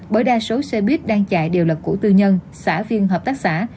bởi đa số xoay biếc đang chạy đều là củ tư nhân xã viên hợp tác xã